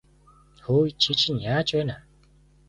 Хөөе чи чинь яаж байна аа?